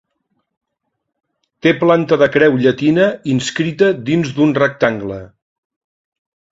Té planta de creu llatina inscrita dins un rectangle.